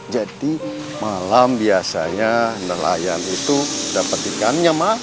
jadi malam biasanya nelayan itu dapet ikannya malam